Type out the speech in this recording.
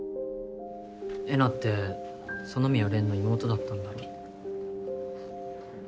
えなって園宮蓮の妹だったんだろ。